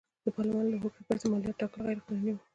د پارلمان له هوکړې پرته مالیاتو ټاکل غیر قانوني و.